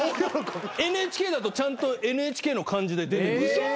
ＮＨＫだとちゃんとＮＨＫの感じで出て。